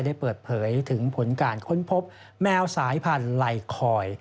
ได้เปิดเผยถึงผลการค้นพบแมวสายพันธุ์ไลคอย